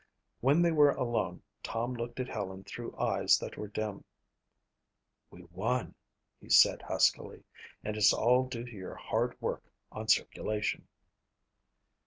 When they were alone Tom looked at Helen through eyes that were dim. "We won," he said huskily, "and it's all due to your hard work on circulation."